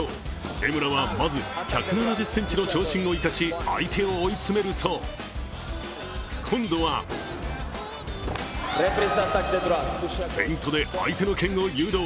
江村はまず１７０ｃｍの長身を生かし相手を追い詰めると、今度はフェイントで相手の剣を誘導。